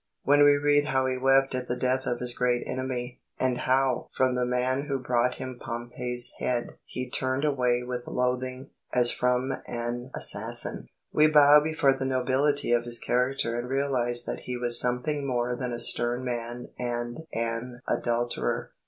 When we read how he wept at the death of his great enemy, and how "from the man who brought him Pompey's head he turned away with loathing, as from an assassin," we bow before the nobility of his character and realise that he was something more than a stern man and an adulterer.